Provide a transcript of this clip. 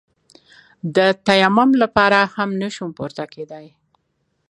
د تيمم لپاره هم نسوم پورته کېداى.